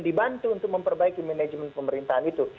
dibantu untuk memperbaiki manajemen pemerintahan itu